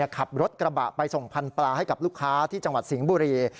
ขับรถกระบะไปส่งพันธุปลาให้กับลูกค้าที่จังหวัดสิงห์บุรี